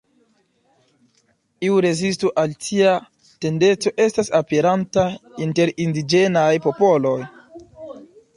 Iu rezisto al tia tendenco estas aperanta inter indiĝenaj popoloj.